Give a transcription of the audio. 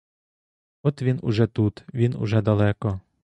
От він уже тут, він уже далеко.